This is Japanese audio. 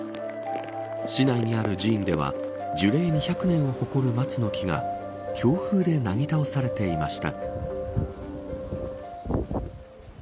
市内にある寺院では樹齢２００年を誇る松の木が強風でなぎ倒されていました。